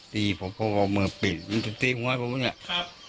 ตีผมก็เอามือปิดมันจะตีหัวผมเนี่ยครับ